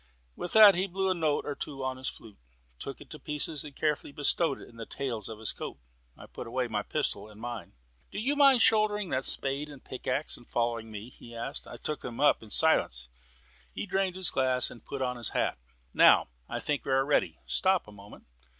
With that he blew a note or two on his flute, took it to pieces, and carefully bestowed it in the tails of his coat. I put away my pistol in mine. "Do you mind shouldering that spade and pickaxe, and following me?" he asked. I took them up in silence. He drained his glass and put on his hat. "Now I think we are ready. Stop a moment."